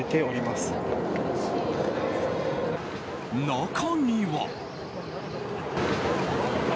中には。